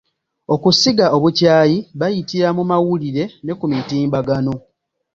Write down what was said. Okusiga obukyayi bayitira mu mawulire ne ku mutimbagano.